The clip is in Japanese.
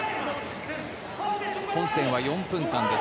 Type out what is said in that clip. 本戦は４分間です。